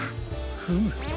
フム。